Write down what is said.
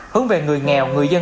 hướng về người nghèo người dân